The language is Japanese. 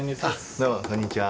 どうもこんにちは。